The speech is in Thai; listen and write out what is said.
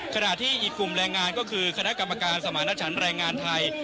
ขณะที่อีกกลุ่มแรงงานก็คือคณะกรรมการสมาณชันแรงงานไทย